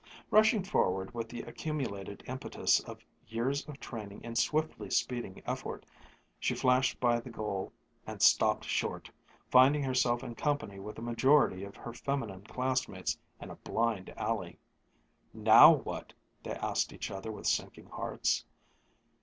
Rushing forward with the accumulated impetus of years of training in swiftly speeding effort, she flashed by the goal ... and stopped short, finding herself in company with a majority of her feminine classmates in a blind alley. "Now what?" they asked each other with sinking hearts.